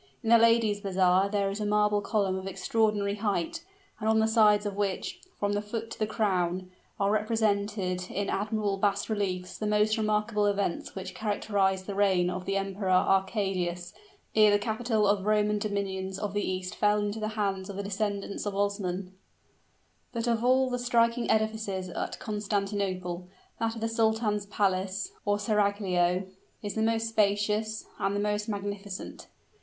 In the Ladies' Bazaar there is a marble column of extraordinary height, and on the sides of which, from the foot to the crown, are represented in admirable bas reliefs the most remarkable events which characterized the reign of the Emperor Arcadius, ere the capital of Roman dominions of the East fell into the hands of the descendants of Osman. But of all the striking edifices at Constantinople, that of the Sultan's Palace, or seraglio, is the most spacious and the most magnificent.